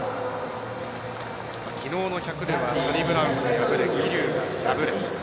きのうの１００ｍではサニブラウンが敗れ桐生が敗れ